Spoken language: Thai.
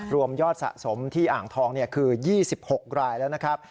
รวมยอดสะสมที่อ่างทองคือ๒๖รายแล้วนะครับ